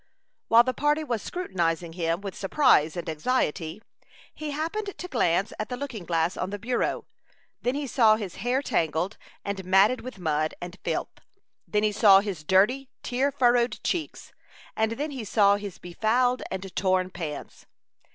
While the party were scrutinizing him with surprise and anxiety, he happened to glance at the looking glass on the bureau. Then he saw his hair tangled and matted with mud and filth; then he saw his dirty, tear furrowed cheeks; and then he saw his befouled and torn pants.